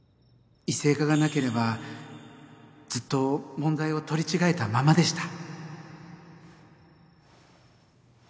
異性化がなければずっと問題を取り違えたままでした